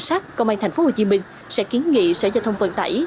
các công an thành phố hồ chí minh sẽ kiến nghị xã giao thông vận tải